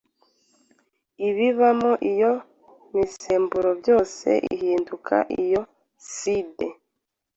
ibibamo iyo misemburo byose ihindukamo iyo side.